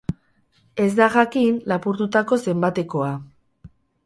Ez da jakin lapurtutako zenbatekoa.